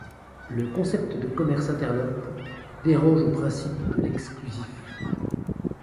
Le concept de commerce interlope déroge au principe de l'Exclusif.